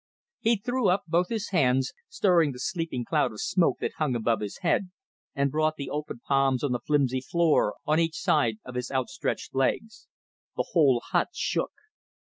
He threw up both his hands, stirring the sleeping cloud of smoke that hung above his head, and brought the open palms on the flimsy floor on each side of his outstretched legs. The whole hut shook.